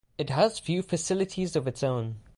It has few facilities of its own.